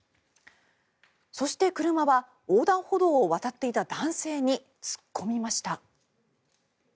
そして、車は横断歩道を渡っていた男性に突っ込みました。